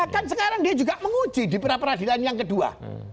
kan sekarang dia juga menguji di pra peradilan yang kedua